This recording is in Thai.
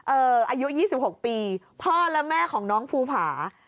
อายุ๒๖ปีพ่อและแม่ของน้องภูผา